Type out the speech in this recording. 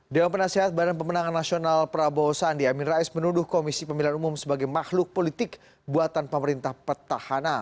dewan penasehat badan pemenangan nasional prabowo sandi amin rais menuduh komisi pemilihan umum sebagai makhluk politik buatan pemerintah petahana